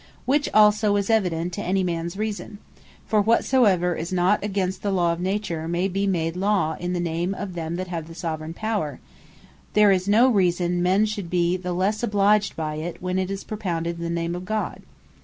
Which also is evident to any mans reason; for whatsoever is not against the Law of Nature, may be made Law in the name of them that have the Soveraign power; and there is no reason men should be the lesse obliged by it, when tis propounded in the name of God.